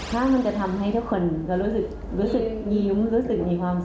ถ้ามันจะทำให้ทุกคนรู้สึกยิ้มรู้สึกมีความสุขก็ดีใจค่ะไม่รู้จะอธิบายทำไง